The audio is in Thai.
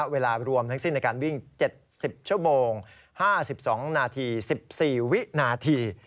รวมทั้งสิ้นในการวิ่ง๗๐ชั่วโมง๕๒นาที๑๔วินาที